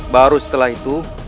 baru setelah itu